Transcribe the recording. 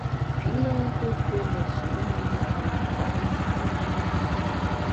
Wu na ntuo tuo meshi’ mi wu mâ kwet njap.